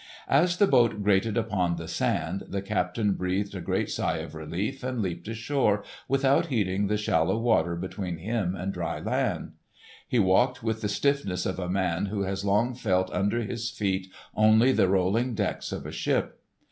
As the boat grated upon the sand the captain breathed a great sigh of relief, and leaped ashore without heeding the shallow water between him and dry land. He walked with the stiffness of a man who has long felt under his feet only the rolling decks of a ship.